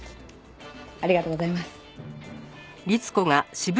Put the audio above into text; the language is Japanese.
ありがとうございます。